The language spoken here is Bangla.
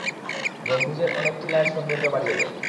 গম্ভুজের অনেক টিলা এর সৌন্দর্য বাড়িয়ে দেয়।